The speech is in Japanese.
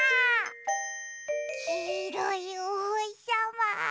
きいろいおほしさま。